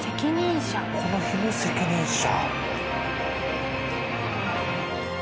この日の責任者。